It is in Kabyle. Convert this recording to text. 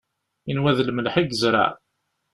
Inwa d lemleḥ i yezreɛ.